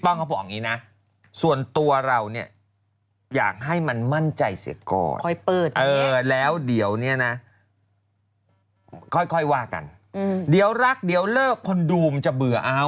อ๋ออะไรอย่างนี้ฉะนั้นถ้าอย่างไม่มั่นใจเสียกรคอยเปิดแบบนี้แล้วเดี๋ยวนี้นะค่อยค่อยว่ากันเดี๋ยวรักเดี๋ยวเลิกคนดูมจะเบื่อเอา